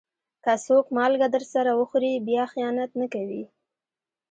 که څوک مالګه درسره وخوري، بیا خيانت نه کوي.